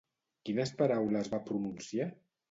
Quines paraules va pronunciar?